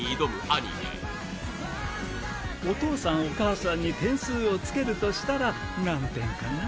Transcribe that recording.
男性：お父さん、お母さんに点数をつけるとしたら何点かな？